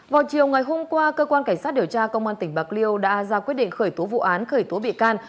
vào chiều ngày hôm qua cơ quan cảnh sát điều tra công an tỉnh bạc liêu đã ra quyết định khởi tố vụ án khởi tố bị can